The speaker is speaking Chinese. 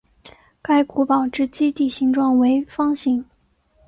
该古堡之基地形状为方形。